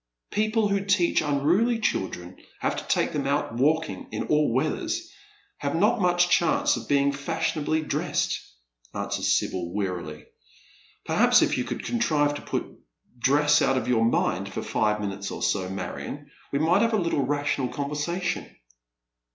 " People who teach unruly children, and have to take them out walking in all weathers, have not much chance of being fashion ably dressed," answers Sibyl, wearily. " Perhaps if you could contrive to put dress out of your mind for five minutes or so, Marion, we might have a little rational conversation."